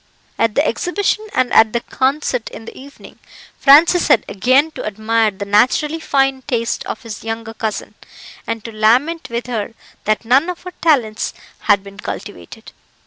At the Exhibition and at the concert in the evening, Francis had again to admire the naturally fine taste of his younger cousin, and to lament with her that none of her talents had been cultivated.